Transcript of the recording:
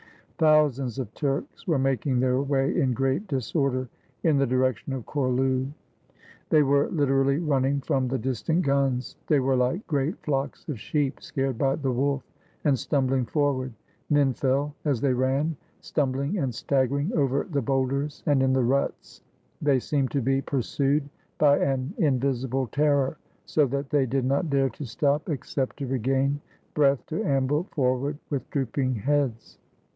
Thousands of Turks were making their way in great disorder in the direction of Chorlu. They were literally running from the distant guns. They were like great flocks of sheep scared by the wolf, and stumbling forward. Men fell as they ran, stumbling and staggering over the boulders and in the ruts. They seemed to be pursued by an invisible terror, so that they did not dare to stop, except to regain breath to amble forward with drooping heads.